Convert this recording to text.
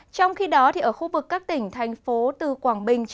trong khi đó ở khu vực các tỉnh thành phố từ quảng bình